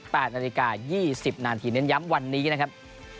๑๘นาฬิกา๒๐นาทีเน้นย้ำวันนี้นะครับ